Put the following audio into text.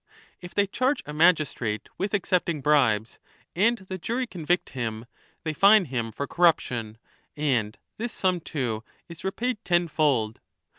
If they charge a magistrate with accepting bribes and the jury convict him, they fine him for corruption, and this sum too is repaid tenfold.